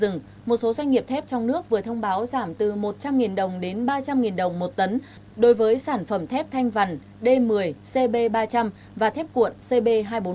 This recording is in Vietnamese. trước khi giá thép xây dựng một số doanh nghiệp thép trong nước vừa thông báo giảm từ một trăm linh đồng đến ba trăm linh đồng một tấn đối với sản phẩm thép thanh vằn d một mươi cb ba trăm linh và thép cuộn cb hai trăm bốn mươi